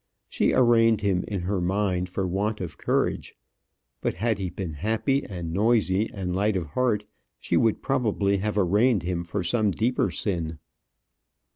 She arraigned him in her mind for want of courage; but had he been happy, and noisy, and light of heart, she would probably have arraigned him for some deeper sin.